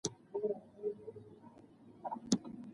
ازادي راډیو د بیکاري په اړه د نوښتونو خبر ورکړی.